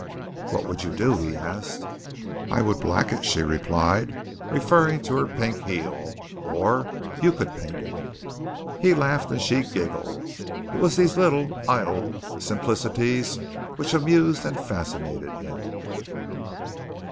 "What would you do?" he asked. "I would black it," she replied, referring to her pink heel, "or you could paint it." He laughed and she giggled. It was these little, idle simplicities which amused and fascinated him.